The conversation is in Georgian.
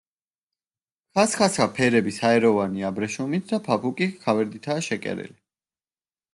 ხასხასა ფერების ჰაეროვანი აბრეშუმით და ფაფუკი ხავერდითაა შეკერილი.